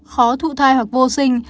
khó thụ thai hoặc vô sinh